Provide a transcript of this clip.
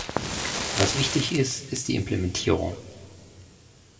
Was wichtig ist, ist die Implementierung.